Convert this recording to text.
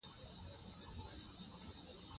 افغانستان د ریګ دښتې لپاره مشهور دی.